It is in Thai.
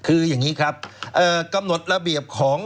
คืออย่างนี้ครับกำหนดระเบียบของ